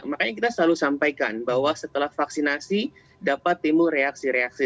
makanya kita selalu sampaikan bahwa setelah vaksinasi dapat timbul reaksi reaksi